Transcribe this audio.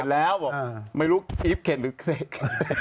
เข็ดแล้วให้บอกไม่รู้อีฟเข็ดหรือเสก